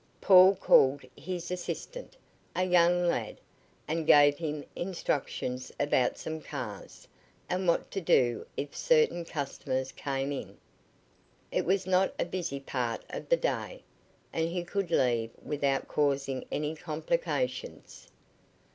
Paul called his assistant, a young lad, and gave him instructions about some cars, and what to do if certain customers came in. It was not a busy part of the day, and he could leave without causing any complications.